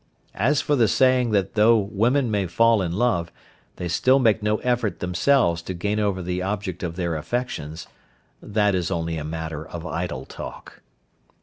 As for the saying that though women may fall in love, they still make no effort themselves to gain over the object of their affections, that is only a matter of idle talk.